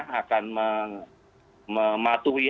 dan akan mematuhi